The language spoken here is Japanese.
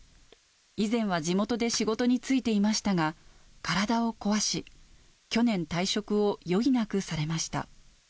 以前は地元で仕事に就いていましたが、体を壊し、去年、退職を余儀なくされました。